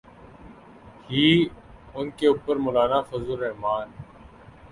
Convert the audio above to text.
ہی، ان کے اوپر مولانا فضل الرحمن۔